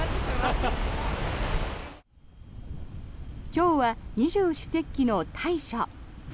今日は二十四節気の大暑。